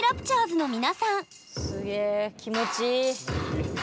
すげえ気持ちいい。